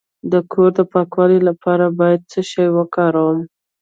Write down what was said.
د کور د پاکوالي لپاره باید څه شی وکاروم؟